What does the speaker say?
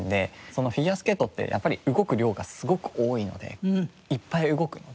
フィギュアスケートってやっぱり動く量がすごく多いのでいっぱい動くので。